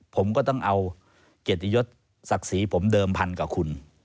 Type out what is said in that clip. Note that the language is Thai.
ผมก็ต้องเอาเกียรติยศศักดิ์ศรีผมเดิมพันกับคุณ